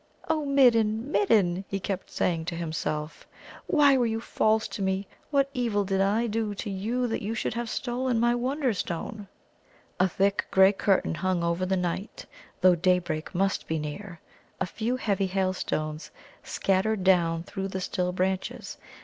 "O Midden, Midden!" he kept saying to himself; "why were you false to me? What evil did I do to you that you should have stolen my Wonderstone?" A thick grey curtain hung over the night, though daybreak must be near. A few heavy hailstones scattered down through the still branches.